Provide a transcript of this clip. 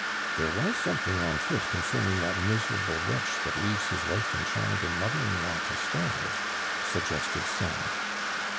"There was something on foot concerning that miserable wretch that leaves his wife and child and mother in law to starve," suggested some.